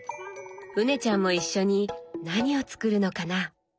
羽根ちゃんも一緒に何を作るのかな？